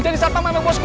jadi siapa memang bos gue